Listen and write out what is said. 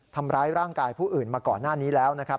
ทำร้ายร่างกายผู้อื่นมาก่อนหน้านี้แล้วนะครับ